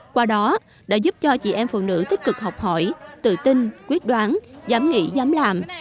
qua đó đã giúp cho chị em phụ nữ tích cực học hỏi tự tin quyết đoán dám nghĩ dám làm